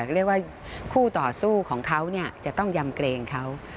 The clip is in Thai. เรียกว่าคู่ต่อสู้ของเขาจะต้องยำเกรงเขา